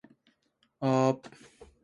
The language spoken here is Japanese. さかなは水族館に住んでいます